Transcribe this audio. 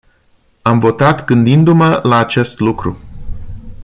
Am votat gândindu-mp la acest lucru.